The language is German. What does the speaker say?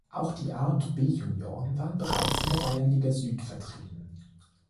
Auch die A- und B-Junioren waren bereits in der Bayernliga Süd vertreten.